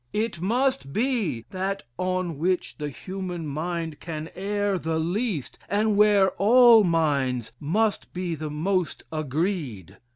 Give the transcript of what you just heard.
It must be that on which the human mind can err the least, and where all minds must be the most agreed.